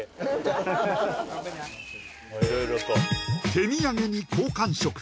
手土産に好感触